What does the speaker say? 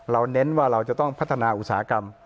เน้นว่าเราจะต้องพัฒนาอุตสาหกรรม